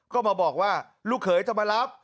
ก็มาบอกว่าลูกเขยจะมารับ